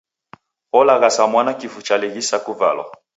Olaghasha mwana kifu chalighisa kuvalwa.